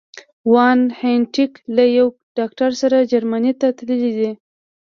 وان هینټیګ له یو ډاکټر سره جرمني ته تللي دي.